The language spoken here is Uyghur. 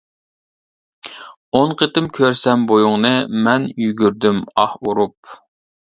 ئون قېتىم كۆرسەم بويۇڭنى، مەن يۈگۈردۈم ئاھ ئۇرۇپ.